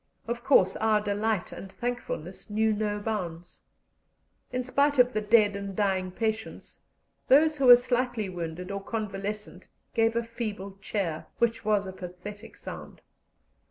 Of course our delight and thankfulness knew no bounds. In spite of the dead and dying patients, those who were slightly wounded or convalescent gave a feeble cheer, which was a pathetic sound.